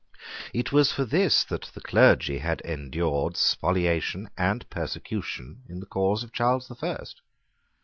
It was for this that the clergy had endured spoliation and persecution in the cause of Charles the First.